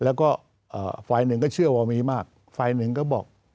แล้วก็ฝ่ายหนึ่งก็เชื่อว่ามีมากฝ่ายหนึ่งก็บอก